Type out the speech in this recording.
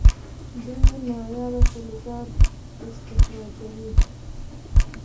دوی نایابه فلزات استخراجوي.